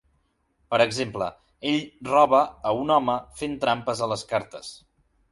Per exemple, ell roba a un home fent trampes a les cartes.